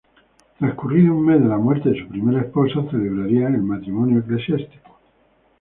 Transcurrido un mes de la muerte de su primera esposa, celebrarían el matrimonio eclesiástico.